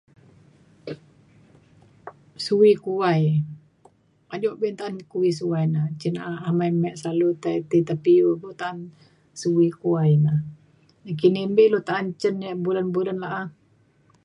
suwi kuai kado pa ta’an suwi kuai na cin na’a amai me selalu tai ti tepiu bok ta’an suwi kuai na nakini mbi lu ta’an cen yak bulen bulen la’a